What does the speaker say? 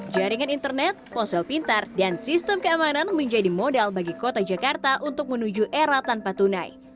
jaringan internet ponsel pintar dan sistem keamanan menjadi modal bagi kota jakarta untuk menuju era tanpa tunai